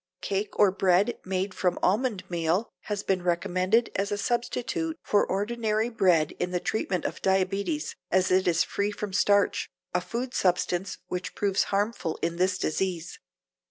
Cake or bread made from almond meal has been recommended as a substitute for ordinary bread in the treatment of diabetes, as it is free from starch, a food substance which proves harmful in this disease.